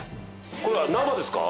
これは生ですか？